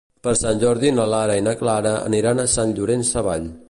Per Sant Jordi na Lara i na Clara aniran a Sant Llorenç Savall.